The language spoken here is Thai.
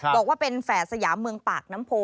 บอกว่าเป็นแฝดสยามเมืองปากน้ำโพ